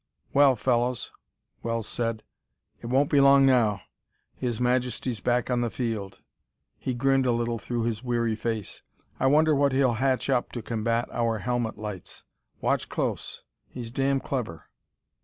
"Well, fellows," Wells said, "it won't be long now. His Majesty's back on the field." He grinned a little through his weary face. "I wonder what he'll hatch up to combat our helmet lights? Watch close: he's damn clever!"